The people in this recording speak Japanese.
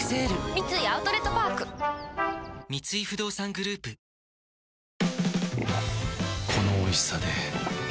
三井アウトレットパーク三井不動産グループこのおいしさで